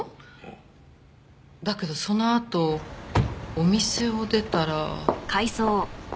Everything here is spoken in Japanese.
だけどそのあとお店を出たら。